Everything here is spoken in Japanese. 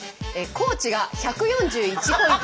高知が１４１ポイント